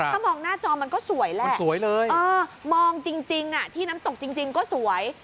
ถ้ามองหน้าจอมันก็สวยแหละสวยเลยมองจริงที่น้ำตกจริงก็สวย